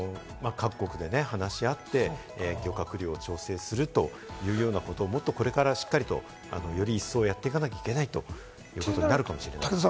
各国でね話し合って漁獲量を調整するというようなことをもっとこれからしっかりと、より一層やっていかなきゃいけないということになるかもしれません。